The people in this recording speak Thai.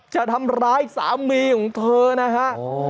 จะทำร้ายสามีของเธอนะฮะ